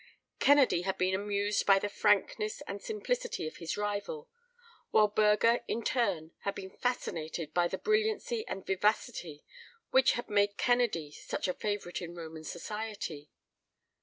Kennedy had been amused by the frankness and simplicity of his rival, while Burger in turn had been fascinated by the brilliancy and vivacity which had made Kennedy such a favourite in Roman society.